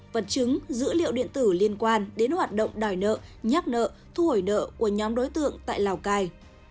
vật chứng dữ liệu điện tử liên quan đến hoạt động đòi nợ nhắc nợ thu hồi nợ của nhóm đối tượng tại lào cai